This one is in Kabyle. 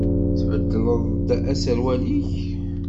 Tbeddleḍ-d aserwal-ik?